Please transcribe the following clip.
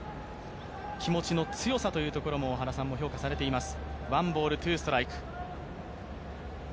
気持の強さというところも原さんが評価されています。